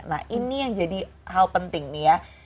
nah ini yang jadi hal penting nih ya